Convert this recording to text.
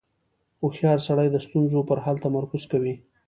• هوښیار سړی د ستونزو پر حل تمرکز کوي.